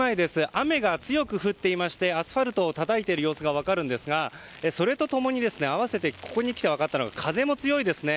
雨が強く降っていましてアスファルトをたたいている様子が分かるんですがそれと共に併せてここにきて分かったのが風も強いですね。